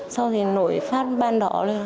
sau thì nổi phát ban đỏ